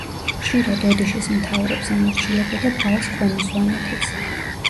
ხშირად ოდიშის მთავრებს ემორჩილებოდა ბალს ქვემო სვანეთიც.